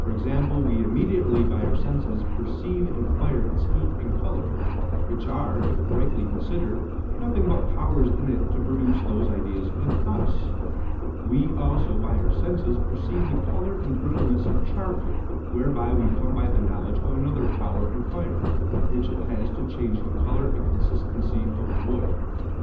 g. we immediately by our senses perceive in fire its heat and colour; which are, if rightly considered, nothing but powers in it to produce those ideas in US: we also by our senses perceive the colour and brittleness of charcoal, whereby we come by the knowledge of another power in fire, which it has to change the colour and consistency of WOOD.